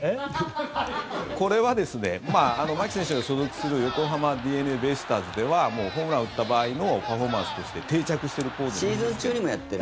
これはですね牧選手が所属する横浜ＤｅＮＡベイスターズではホームランを打った場合のパフォーマンスとしてシーズン中にもやってる。